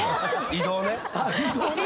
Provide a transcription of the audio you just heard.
移動ね！